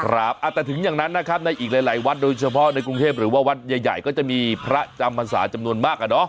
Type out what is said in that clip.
แต่ถึงอย่างนั้นนะครับในอีกหลายวัดโดยเฉพาะในกรุงเทพหรือว่าวัดใหญ่ก็จะมีพระจำพรรษาจำนวนมากอะเนาะ